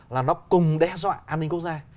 là nó cùng đe dọa an ninh quốc gia